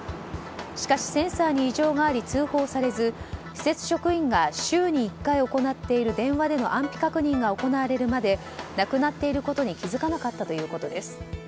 しかし、センサーに異常があり通報されず施設職員が週に１回行っている電話での安否確認が行われるまで亡くなっていることに気づかなかったということです。